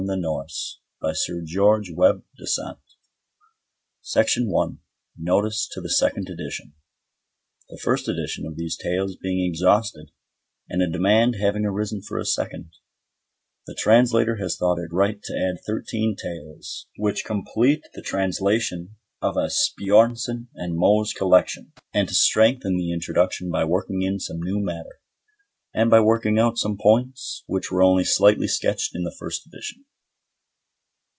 THE DANCING GANG FOOTNOTES TO INTRODUCTION Notice to the Second Edition The first edition of these Tales being exhausted, and a demand having arisen for a second, the Translator has thought it right to add thirteen tales, which complete the translation of Asbjörnsen and Moe's collection, and to strengthen the Introduction by working in some new matter, and by working out some points which were only slightly sketched in the first edition.